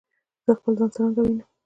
زه خپل ځان څرنګه وینم؟